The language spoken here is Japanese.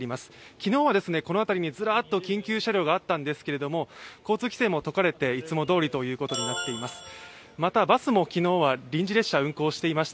昨日はこの辺りにずらっと緊急車両があったんですけど交通規制も解かれて、いつもどおりということになっています。